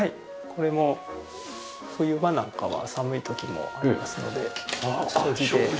これも冬場なんかは寒い時もありますので障子で。